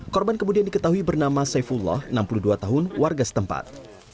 korban kemudian diketahui bernama saifullah enam puluh dua tahun warga setempat